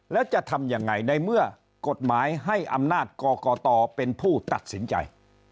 แล้วจะทำยังไงในเมื่อกฎหมายให้อำนาจกรกตเป็นผู้ตัดสินใจ